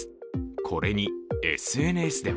これにＳＮＳでは